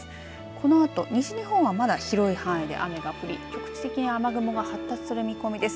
このあと西日本はまだ広い範囲で雨が降り局地的に雨雲が発達する見込みです。